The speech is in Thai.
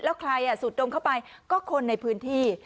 แล้วใครสูดดมเข้าไปก็คนในพื้นที่